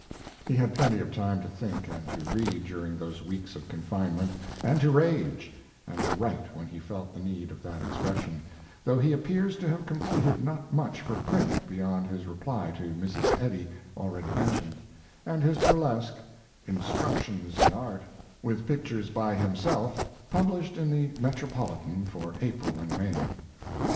He had plenty of time to think and to read during those weeks of confinement, and to rage, and to write when he felt the need of that expression, though he appears to have completed not much for print beyond his reply to Mrs. Eddy, already mentioned, and his burlesque, "Instructions in Art," with pictures by himself, published in the Metropolitan for April and May.